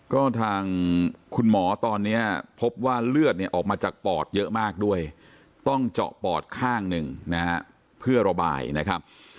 ก็ทางคุณหมอตอนนี้พบว่าเลือดเนี่ยออกมาจากปอดเยอะมากด้วยต้องเจาะปอดข้างหนึ่งนะฮะเพื่อระบายนะครับ